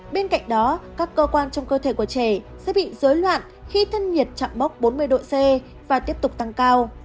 bên cạnh đó các cơ quan trong cơ thể của trẻ sẽ bị dối loạn khi thân nhiệt chạm mốc bốn mươi độ c và tiếp tục tăng cao